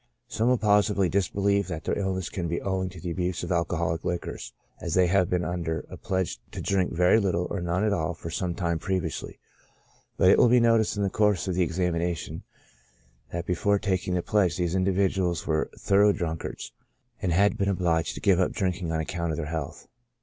Some will positively disbelieve that their illness can be ow ing to the abuse of alcoholic liquors, as they have been under a pledge to drink very little or none at all for some time previously ; but it will be noticed, in the course of the examination, that before taking the pledge these individuals were thorough drunkards, and had been obliged to give up drinking on account of their health.